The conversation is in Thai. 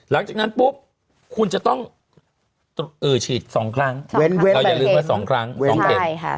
หลังจากนั้นปุ๊บคุณจะต้องเออฉีดสองครั้งเราอย่าลืมว่าสองครั้งสองเกต